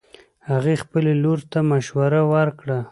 هغې خبلې لور ته مشوره ورکړه